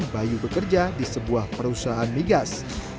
bayu bekerja di sebuah perusahaan migas